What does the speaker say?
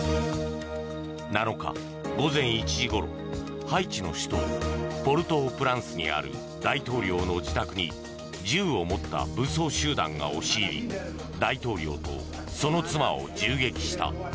７日、午前１時ごろハイチの首都ポルトープランスにある大統領の自宅に銃を持った武装集団が押し入り大統領と、その妻を銃撃した。